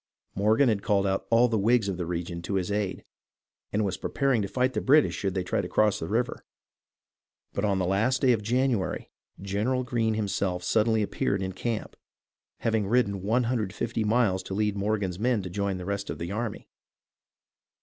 Morgan had called out all the Whigs of the region to his aid, and was preparing to fight the British should they try to cross the river ; but on the last day of January General Greene himself suddenly appeared in camp, having ridden 150 miles to lead Morgan's men to join the rest of the army.